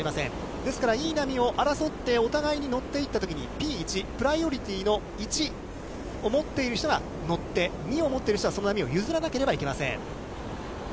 ですから、いい波を争って、お互いに乗っていったときにＰ１、プライオリティーの１を持っている人が乗って、２を持っている人は、その波を譲らなければいけません。